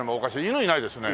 犬いないですね。